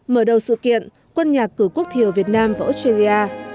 mở đầu sự kiện quân nhạc cử quốc thiều việt nam và australia